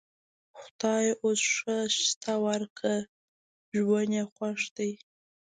خدای اوس ښه شته ورکړ؛ ژوند یې خوښ دی.